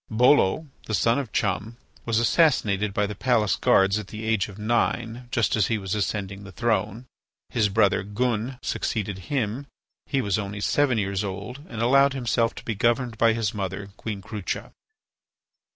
Bolo, the son of Chum, was assassinated by the palace guards at the age of nine, just as he was ascending the throne. His brother Gun succeeded him. He was only seven years old and allowed himself to be governed by his mother, Queen Crucha.